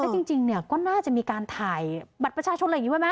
แต่จริงก็น่าจะมีการถ่ายบัตรประชาชนแบบนี้ไหม